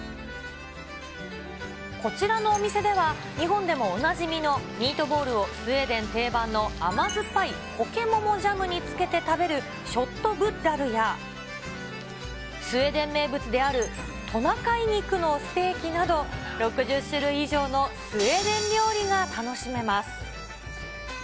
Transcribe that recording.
こちらのお店では日本でもおなじみのミートボールを、スウェーデン定番の甘酸っぱいコケモモジャムにつけて食べるショットブッラルや、スウェーデン名物であるトナカイ肉のステーキなど、６０種類以上のスウェーデン料理が楽しめます。